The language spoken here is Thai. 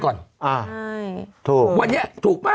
ไม่ถูกอ่าตอนเนี้ยถูกมั้ง